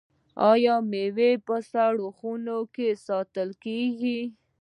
آیا میوه په سړو خونو کې ساتل کیږي؟